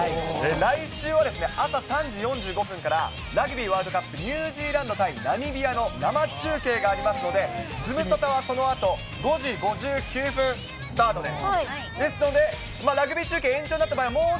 来週はですね、朝３時４５分から、ラグビーワールドカップ、ニュージーランド対ナミビアの生中継がありますので、ズムサタはそのあと、５時５９分スタートです。